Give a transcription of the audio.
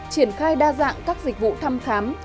triển khai đa dạng các dịch vụ thăm khám